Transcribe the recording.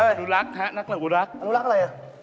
นักอนุรักษ์ครับนักอนุรักษ์อนุรักษ์อะไร